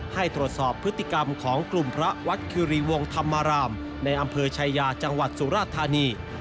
ให้ตรวจสอบพฤติกรรมของกลุ่มพระวัดคิรีวงธรรมรามในอำเภอชายาจังหวัดสุราธานี